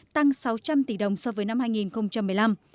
tăng sáu trăm linh tỷ đồng so với năm hai nghìn một mươi năm